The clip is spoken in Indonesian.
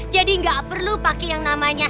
jadi gak perlu pake yang namanya